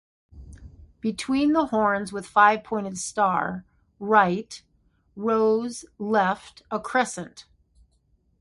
Between the horns with five-pointed star, right - rose, left, a Crescent.